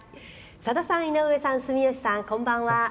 「さださん、井上さん住吉さん、こんばんは。